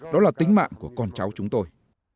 đó là tính mạng của con cháu chúng tôi